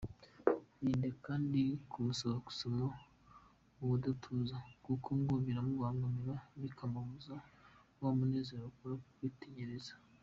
Irinde kandi kumusaba kugusoma ubudatuza kuko ngo biramubangamira bimubuza wa munezero akura mu kwitegereza.